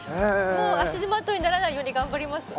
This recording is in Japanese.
足手まといにならないように頑張ります。